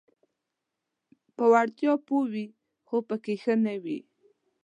په وړتیا پوه وي خو پکې ښه نه وي: